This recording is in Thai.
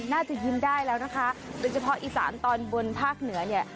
น่าจะยิ้มได้แล้วนะคะโดยเฉพาะอีสานตอนบนภาคเหนือเนี่ย